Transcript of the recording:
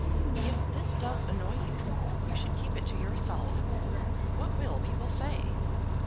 "If this does annoy you, you should keep it to yourself! What will people say?"